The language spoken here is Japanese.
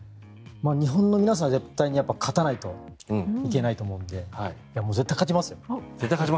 日本の皆さん絶対に勝たないといけないと思うので絶対勝ちますよ。